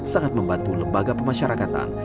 sangat membantu lembaga pemasyarakatan